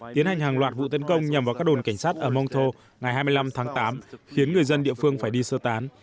tiến hành hàng loạt vụ tấn công nhằm vào các đồn cảnh sát ở monto ngày hai mươi năm tháng tám khiến người dân địa phương phải đi sơ tán